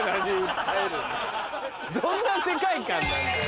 どんな世界観なんだよ。